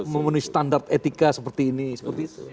memenuhi standar etika seperti ini seperti itu